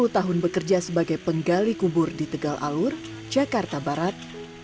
sepuluh tahun bekerja sebagai penggali kubur di tegal alur jakarta barat